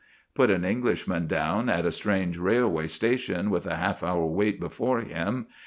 Put an Englishman down at a strange railway station with a half hour wait before him.